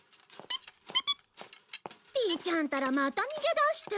ピーちゃんったらまた逃げ出して。